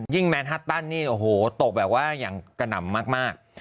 แมนฮัตตันนี่โอ้โหตกแบบว่าอย่างกระหน่ำมาก